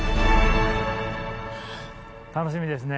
楽しみですね。